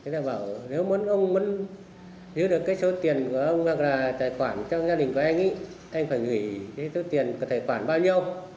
nếu muốn giữ được số tiền của ông hoặc là tài khoản trong gia đình của anh anh phải gửi số tiền của tài khoản bao nhiêu